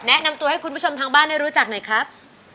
แนะนำตัวให้คุณผู้ชมทางบ้านได้รู้จักหน่อยครับ